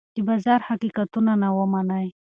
د بازار حقیقتونه ومنئ.